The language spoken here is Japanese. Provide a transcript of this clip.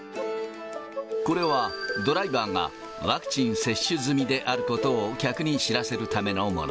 これは、ドライバーがワクチン接種済みであることを客に知らせるためのもの。